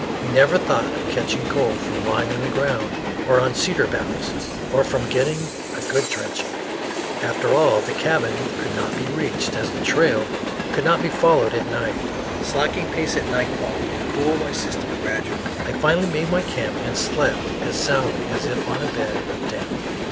We never thought of catching cold from lying on the ground or on cedar boughs, or from getting a good drenching. After all, the cabin could not be reached, as the trail could not be followed at night. Slackening pace at nightfall to cool my system gradually, I finally made my camp and slept as soundly as if on a bed of down.